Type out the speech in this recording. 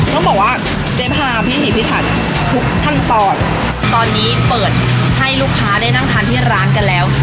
ต้องบอกว่าเจ๊พาพิถีพิถันทุกขั้นตอนตอนนี้เปิดให้ลูกค้าได้นั่งทานที่ร้านกันแล้ว